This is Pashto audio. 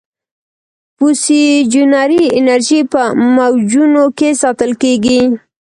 پسیوجنري انرژي په موجونو کې ساتل کېږي.